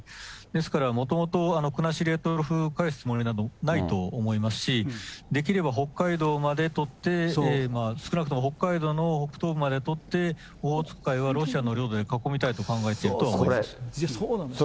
ですからもともと、国後、択捉を返すつもりないなどと思いますし、できれば北海道まで取って、少なくとも北海道の北東部まで取って、オホーツク海はロシアの領土に囲みたいと考えていると思います。